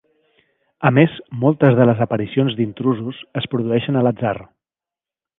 A més, moltes de les aparicions d'intrusos es produeixen a l'atzar.